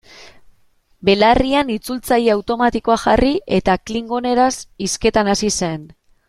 Belarrian itzultzaile automatikoa jarri eta klingoneraz hizketan hasi zen.